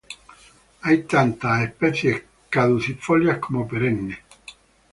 Hay tanto especies caducifolias como perennes.